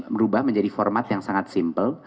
merubah menjadi format yang sangat simple